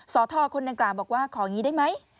สอทรคนนักกล่าวบอกว่าของี้ได้ไหม